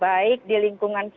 baik di lingkungan kelas